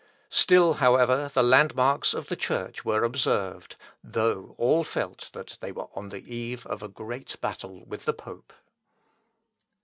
Still, however, the landmarks of the Church were observed, though all felt that they were on the eve of a great battle with the pope.